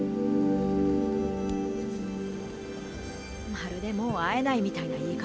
「まるでもう会えないみたいな言い方。